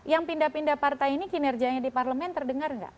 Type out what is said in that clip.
yang pindah pindah partai ini kinerjanya di parlemen terdengar nggak